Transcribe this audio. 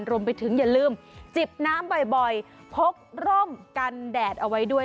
อย่าลืมจิบน้ำบ่อยพกร่มกันแดดเอาไว้ด้วย